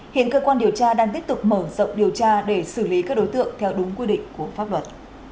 hiện cơ quan điều tra đang tiếp tục mở rộng điều tra để xử lý các đối tượng theo đúng quy định của pháp luật